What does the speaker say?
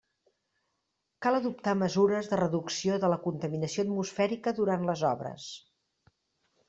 Cal adoptar mesures de reducció de la contaminació atmosfèrica durant les obres.